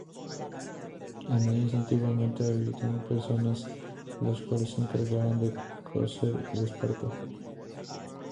En ellas antiguamente habitaban personas, las cuales se encargaban de cocer el esparto.